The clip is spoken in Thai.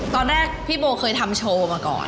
ตอนแรกพี่โบเคยทำโชว์มาก่อน